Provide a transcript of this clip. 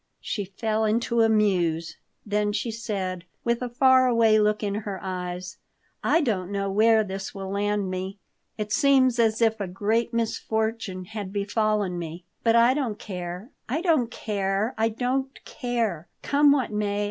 She fell into a muse. Then she said, with a far away look in her eyes: "I don't know where this will land me. It seems as if a great misfortune had befallen me. But I don't care. I don't care. I don't care. Come what may.